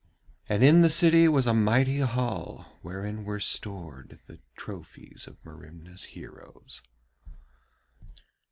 And in the city was a mighty hall wherein were stored the trophies of Merimna's heroes.